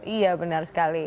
iya benar sekali